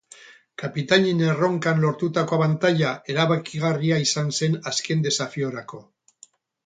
Kapitainen erronkan lortutako abantaila erabakigarria izan zen azken desafiorako.